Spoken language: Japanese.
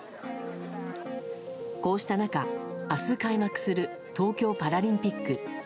こうした中、明日開幕する東京パラリンピック。